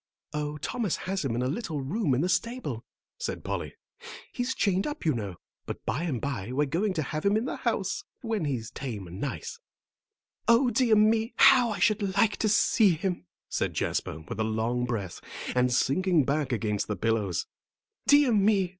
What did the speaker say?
"Oh, Thomas has him in a little room in the stable," said Polly. "He's chained up, you know. But by and by we're going to have him in the house, when he's tame and nice." "O dear me! How I should like to see him," said Jasper, with a long breath, and sinking back against the pillows. "Dear me!